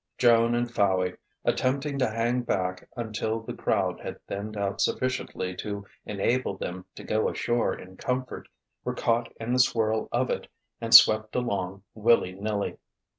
Joan and Fowey, attempting to hang back until the crowd had thinned out sufficiently to enable them to go ashore in comfort, were caught in the swirl of it and swept along willy nilly.